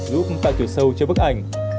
giúp tạo kiểu sâu cho bức ảnh